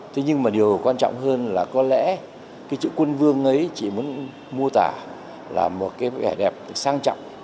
thế nhưng mà điều quan trọng hơn là có lẽ chữ quân vương ấy chị muốn mô tả là một vẻ đẹp sang trọng